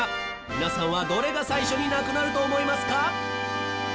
皆さんはどれが最初になくなると思いますか？